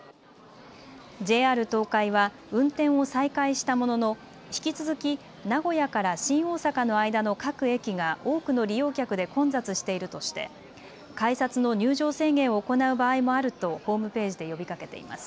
ＪＲ東海は運転を再開したものの引き続き名古屋から新大阪の間の各駅が多くの利用客で混雑しているとして改札の入場制限を行う場合もあるとホームページで呼びかけています。